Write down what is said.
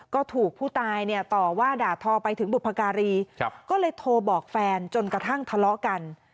ก็ถูกผู้ตายเนี่ยต่อว่าด่าทอไปถึงบุพการีก็เลยโทรบอกแฟนจนกระทั่งทะเลาะกัน